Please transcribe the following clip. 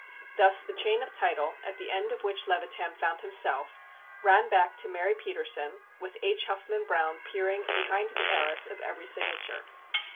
Thus the chain of title, at the end of which Levitan found himself, ran back to Mary Petersen, with H. Huffman Browne peering behind the arras of every signature.